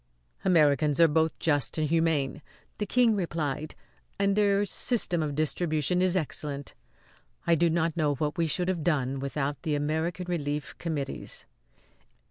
"Americans are both just and humane," the King replied; "and their system of distribution is excellent. I do not know what we should have done without the American Relief Committees."